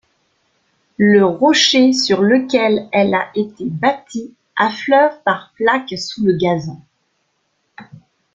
Le rocher sur lequel elle a été bâtie affleure par plaque sous le gazon.